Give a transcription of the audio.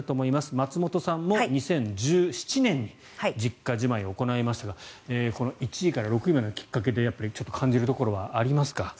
松本さんも２０１７年に実家じまいを行いましたが１位から６位までのきっかけで感じるところはありますか？